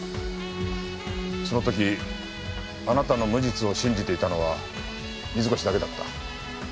その時あなたの無実を信じていたのは水越だけだった。